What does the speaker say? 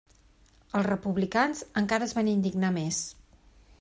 Els republicans encara es van indignar més.